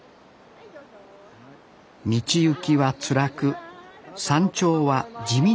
道行きはつらく山頂は地味な光岳。